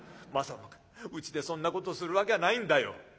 まさかうちでそんなことするわきゃないんだよ。